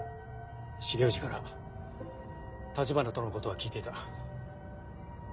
重藤から橘とのことは聞いていた。